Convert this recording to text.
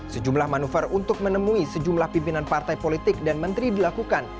sejumlah manuver untuk menemui sejumlah pimpinan partai politik dan menteri dilakukan